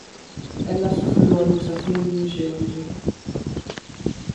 Ela sufriu a luxación dun xeonllo.